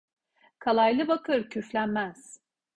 Kalaylı bakır küflenmez.